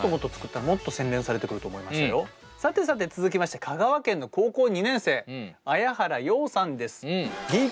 さてさて続きまして香川県の高校２年生綾原陽さんです。